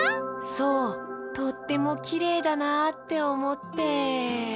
そうとってもきれいだなっておもって。